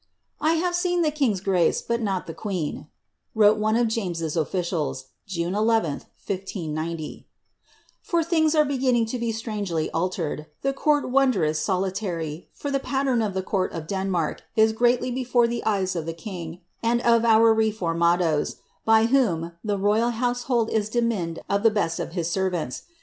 ^^ I have seen the king's grace, but not the queen," wrote one of James's officials,' June 11, 1590, ^ for things are beginning to be strangely altered ; the court wondrous solitary, for the pattern of the court of Denmark is greatly before the eyes of the king, and of our reformadoes, by whom the royal household is dimined of the best of his servants.